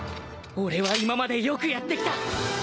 俺は今までよくやってきた！